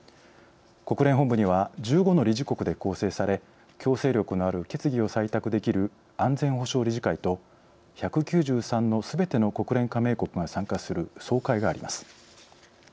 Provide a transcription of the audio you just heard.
国連本部には１５の理事国で構成され強制力のある決議を採択できる安全保障理事会と１９３のすべての国連加盟国が参加する総会があります。